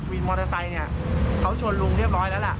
วินมอเตอร์ไซค์เขาชนลุงเรียบร้อยแล้ว